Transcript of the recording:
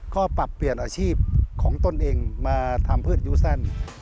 ก็ปรับเปลี่ยนอาชีพของตนเองมาทำพืชยูสั้น